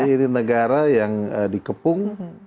jadi ini negara yang dikepung